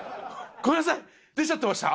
ごめんなさい、出ちゃってました？